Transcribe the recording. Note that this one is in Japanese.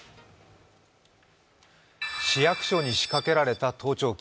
市役所に仕掛けられた盗聴器。